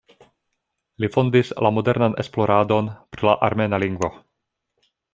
Li fondis la modernan esploradon pri la armena lingvo.